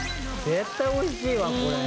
絶対おいしいわこれ。